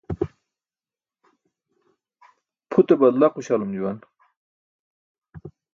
Pʰute balda quśalum juwan.